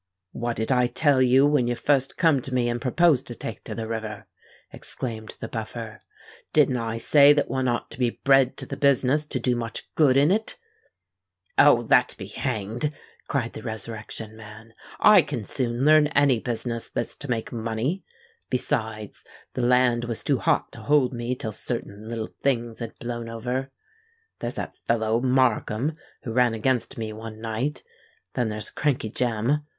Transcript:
"What did I tell you, when you fust come to me and proposed to take to the river?" exclaimed the Buffer. "Didn't I say that one ought to be bred to the business to do much good in it?" "Oh! that be hanged!" cried the Resurrection Man. "I can soon learn any business that's to make money. Besides, the land was too hot to hold me till certain little things had blown over. There's that fellow Markham who ran against me one night;—then there's Crankey Jem.